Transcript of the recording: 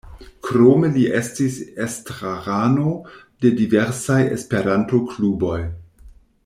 Krome li estis estrarano de diversaj Esperanto-kluboj.